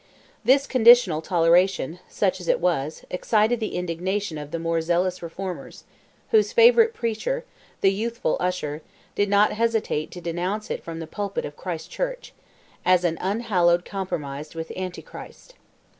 This conditional toleration—such as it was—excited the indignation of the more zealous Reformers, whose favourite preacher, the youthful Usher, did not hesitate to denounce it from the pulpit of Christ Church, as an unhallowed compromise with antichrist.